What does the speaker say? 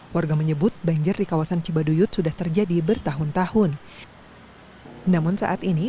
warga menyebut banjir di kawasan cibaduyut sudah terjadi bertahun tahun namun saat ini